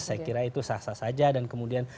saya kira itu sah sah saja dan kemudian